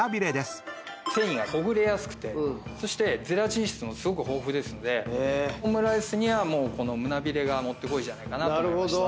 繊維がほぐれやすくてそしてゼラチン質もすごく豊富ですのでオムライスにはこの胸びれがもってこいじゃないかなと。